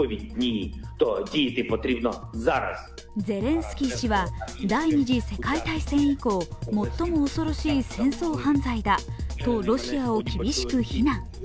ゼレンスキー氏は第二次世界大戦以降、最も恐ろしい戦争犯罪だとロシアを厳しく非難。